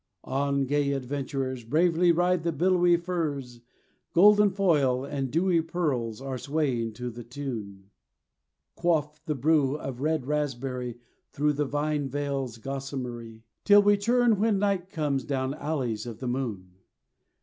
On, gay adventurers, bravely ride the billowy furze, Golden foil and dewy pearls are swaying to a tune: Quaff the brew of red raspberry through the vine veils gossamery. Till we turn when night comes down alleys of the moon.